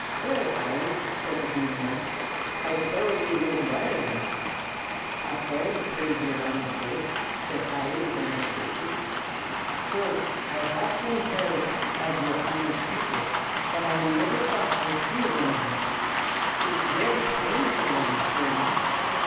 "Well, Eily," said the Green Man, "I suppose ye know who I am?" "A fairy, plaze yer Honor's Grace!" said Eily, with another courtesy. "Sure, I've aften heerd av yer Honor's people, but I niver thought I'd see wan of yez. It's rale plazed I am, sure enough.